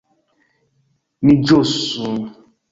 Ni ĵus...